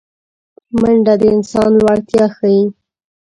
منډه د انسان لوړتیا ښيي